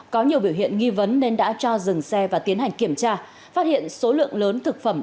có nhiều biểu hiện nghi vấn nên đã cho dừng xe và tiến hành kiểm tra phát hiện số lượng lớn thực phẩm